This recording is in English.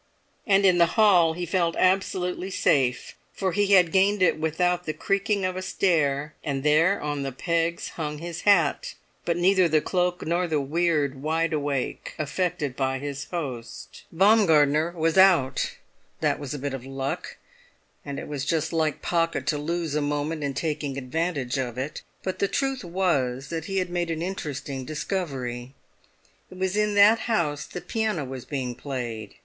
And in the hall he felt absolutely safe, for he had gained it without the creaking of a stair, and there on the pegs hung his hat, but neither the cloak nor the weird wide awake affected by his host. Baumgartner out. That was a bit of luck; and it was just like Pocket to lose a moment in taking advantage of it; but the truth was that he had made an interesting discovery. It was in that house the piano was being played.